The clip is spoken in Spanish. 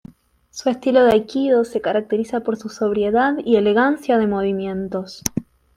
Su estilo de Aikido se caracteriza por su sobriedad y elegancia de movimientos.